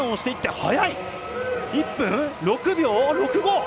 速い、１分６秒６５。